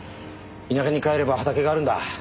田舎に帰れば畑があるんだ。